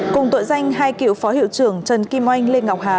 cùng tội danh hai cựu phó hiệu trưởng trần kim oanh lê ngọc hà